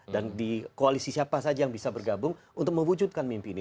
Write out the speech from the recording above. dan di koalisi siapa saja yang bisa bergabung untuk mewujudkan mimpi ini